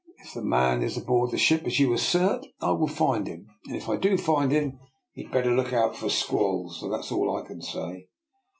" If the man is aboard the ship, as you assert, I will find him, and if I do find him he had better look out for squalls — that's all I can say."